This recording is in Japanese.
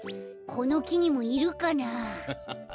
このきにもいるかなあ？